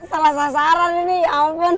salah sasaran ini ampun